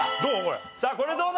どう？